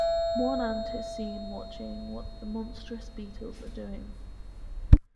One ant is seen watching what the monstrous beetles are doing.